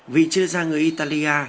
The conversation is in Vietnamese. vị chơi ra người italia